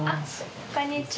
こんにちは。